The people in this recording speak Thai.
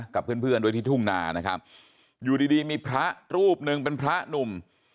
กับเพื่อนเพื่อนด้วยที่ทุ่งนานะครับอยู่ดีดีมีพระรูปหนึ่งเป็นพระหนุ่ม